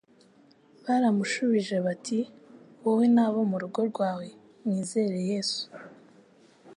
baramushubije bati wowe n abo mu rugo rwawe mwizere yesu